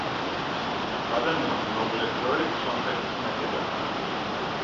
რადამისტი მოკლე დროით სომხეთის მეფე გახდა.